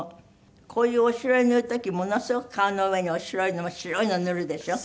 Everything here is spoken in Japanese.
こういう白粉塗る時ものすごく顔の上に白いのを塗るでしょ？